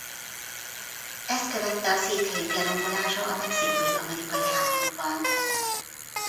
Ezt követte a székhelyük lerombolása a mexikói-amerikai háborúban.